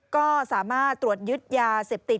ก็สามารถตรวจยึดยาเสพติด